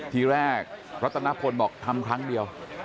ทีแรกรัตนพลบอกทำครั้งเดียว